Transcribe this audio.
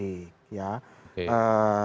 tidak maju dari partai politik